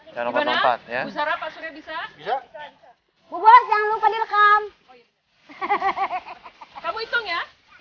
jangan lupa jangan lupa di rekam kamu itu ya